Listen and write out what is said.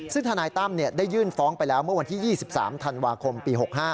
ซึ่งทนายตั้มได้ยื่นฟ้องไปแล้วเมื่อวันที่๒๓ธันวาคมปี๖๕